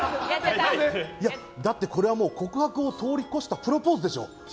だって、これはもう告白を通り越したプロポーズでしょ？